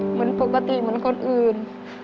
เหมือนปกติเหมือนคนอื่น